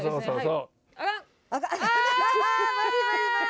あ無理無理無理。